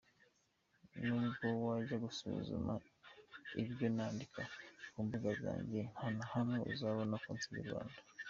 Nubwo wajya gusuzuma ibyo nandika ku mbuga zanjye ntanahamwe uzabona ko nsebya u Rwanda.